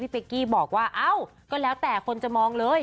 เป๊กกี้บอกว่าเอ้าก็แล้วแต่คนจะมองเลย